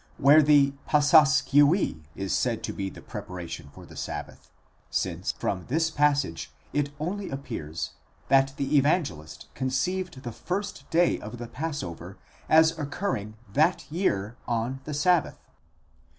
31, where the παρασκευὴ is said to be the preparation for the sabbath, since from this passage it only appears, that the Evangelist conceived the first day of the passover as occurring that year on the sabbath.